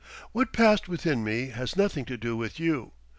What passed within me has nothing to do with you.